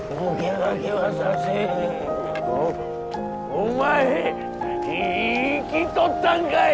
お前生きとったんかい！